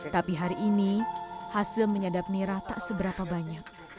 tapi hari ini hasil menyadap nira tak seberapa banyak